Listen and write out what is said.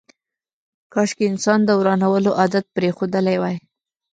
کاشکي انسان د ورانولو عادت پرېښودلی وای.